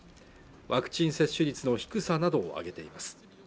ワクチン接種率の低さなどを挙げています